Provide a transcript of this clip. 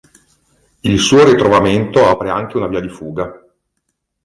Il suo ritrovamento apre anche una via di fuga.